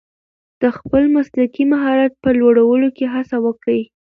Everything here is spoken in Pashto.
د خپل مسلکي مهارت په لوړولو کې هڅه وکړئ.